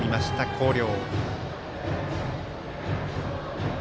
広陵。